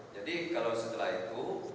jadi kalau setelah itu